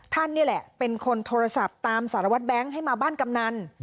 ท่านนี่แหละเป็นคนโทรศัพท์ตามสารวัตรแบงค์ให้มาบ้านกำนัน